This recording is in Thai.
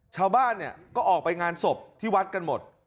ชาวบ้านเนี่ยก็ออกไปงานศพที่วัดกันหมด